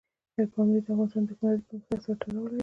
پامیر د افغانستان د تکنالوژۍ پرمختګ سره تړاو لري.